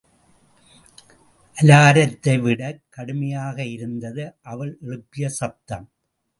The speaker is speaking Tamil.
அலாரத்தை விடக் கடுமையாக இருந்தது அவள் எழுப்பிய சத்தம்.